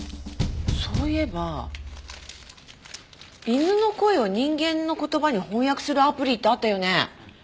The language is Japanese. そういえば犬の声を人間の言葉に翻訳するアプリってあったよね？